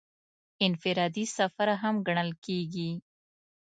انفرادي سفر هم ګڼل کېږي.